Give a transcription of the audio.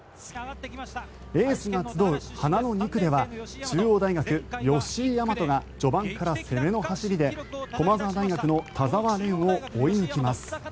エースが集う華の２区では中央大学、吉居大和が序盤から攻めの走りで駒澤大学の田澤廉を追い抜きます。